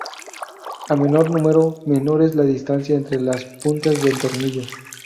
A menor número, menor es la distancia entre las puntas del tornillo.